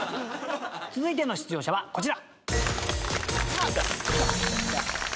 続いての出場者はこちら。